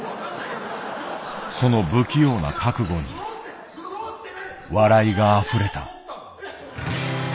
その不器用な覚悟に笑いがあふれた。